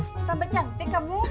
kutabah cantik kamu